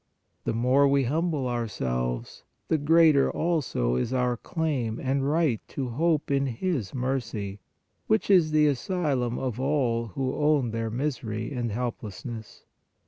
The more we humble ourselves, the greater also is our claim and right to hope in His mercy, which is the asylum of all who own their misery and helplessness.